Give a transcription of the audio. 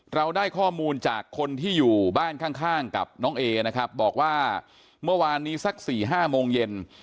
เราได้ข้อมูลจากคนที่อยู่บ้านข้างกับน้องเอนะครับบอกว่าเมื่อวานนี้สัก๔๕โมงเย็น